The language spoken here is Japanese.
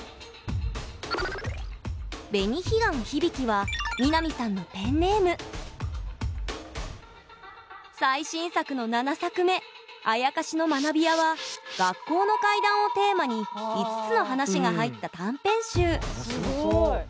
「紅彼岸響」は美波さんのペンネーム最新作の７作目「妖の学び舎」は学校の怪談をテーマに５つの話が入った短編集すごい。